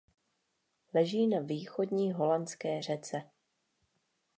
Leží na Východní holandské řece.